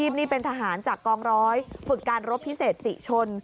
นี่เป็นทหารจากกองร้อยฝึกการรบพิเศษศรีชน